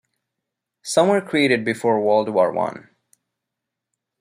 Some were created before World War One.